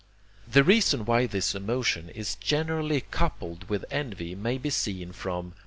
The reason why this emotion is generally coupled with envy may be seen from III.